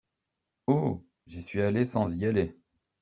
Oh ! j'y suis allé sans y aller !